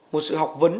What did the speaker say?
một sự học vấn